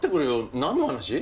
なんの話？